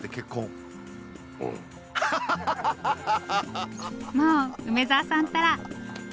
もう梅沢さんったら！